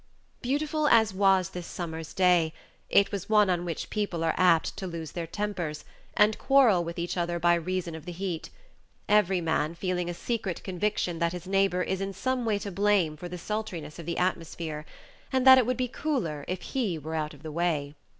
Beautiful as was this summer's day, it was one on which people are apt to lose their tempers, and quarrel with each other by reason of the heat; every man feeling a secret conviction that his neighbor is in some way to blame for the sultriness of the atmosphere, and that it would be cooler if he were out of the way.